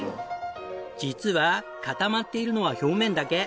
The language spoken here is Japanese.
実は固まっているのは表面だけ。